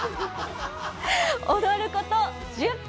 踊ること、１０分！